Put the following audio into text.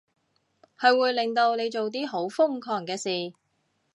佢會令到你做啲好瘋狂嘅事